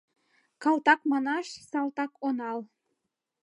Калтак манаш — салтак онал